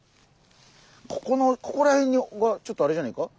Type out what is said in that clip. ここのここら辺にちょっとあれじゃないか？